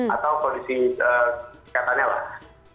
atau kondisi kesehatannya lah